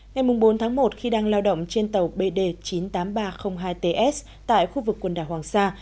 ngày bốn tháng một khi đang lao động trên tàu bd chín mươi tám nghìn ba trăm linh hai ts tại khu vực quần đảo hoàng sa